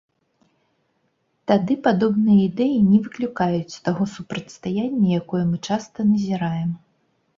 Тады падобныя ідэі не выклікаюць таго супрацьстаяння, якое мы часта назіраем.